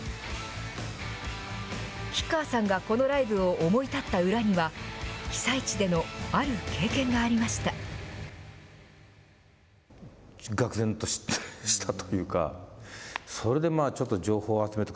吉川さんがこのライブを思い立った裏には、被災地でのある経験がありました。